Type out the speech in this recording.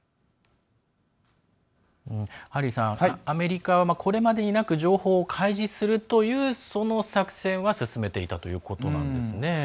アメリカはこれまでになく情報を開示するというその作戦は進めていたということなんですね。